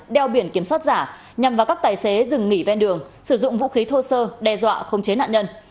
đeo biển kiểm soát giả nhằm vào các tài xế dừng nghỉ ven đường sử dụng vũ khí thô sơ đe dọa khống chế nạn nhân